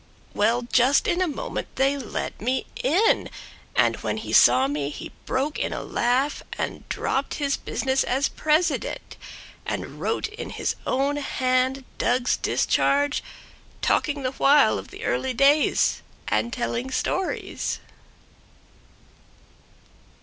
Well, just in a moment they let me in! And when he saw me he broke in a laugh, And dropped his business as president, And wrote in his own hand Doug's discharge, Talking the while of the early days, And telling stories.